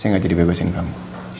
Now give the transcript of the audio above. saya gak jadi bebasin kamu